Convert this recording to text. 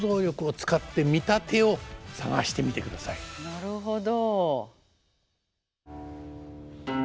なるほど。